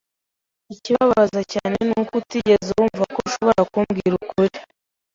Ikibabaza cyane nuko utigeze wumva ko ushobora kumbwira ukuri.